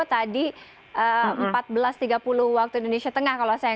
tadi empat belas tiga puluh wib kalau saya tidak salah ya